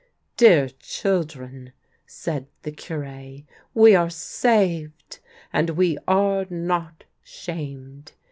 " Dear children," said the Cure, " we are saved, and we are not shamed."